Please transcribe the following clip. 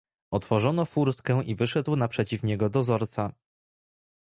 "Otworzono furtkę i wyszedł naprzeciw niego dozorca."